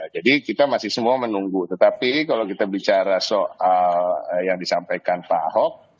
kita masih semua menunggu tetapi kalau kita bicara soal yang disampaikan pak ahok